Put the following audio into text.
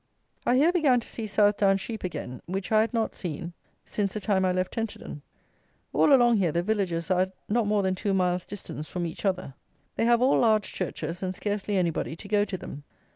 I here began to see Southdown sheep again, which I had not seen since the time I left Tenterden. All along here the villages are at not more than two miles' distance from each other. They have all large churches, and scarcely anybody to go to them.